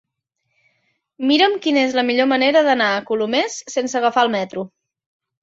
Mira'm quina és la millor manera d'anar a Colomers sense agafar el metro.